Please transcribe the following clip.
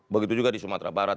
begitu juga di sumatera barat